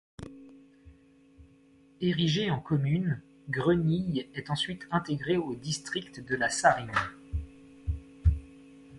Érigé en commune, Grenilles est ensuite intégré au district de la Sarine.